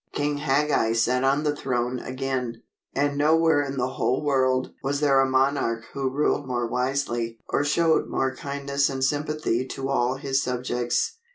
King Hagag sat on the throne again, and nowhere in the whole world was there a monarch who ruled more wisely or showed more kindness and sympathy to all his subjects.